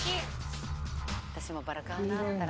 私もバラ買うな、あったら。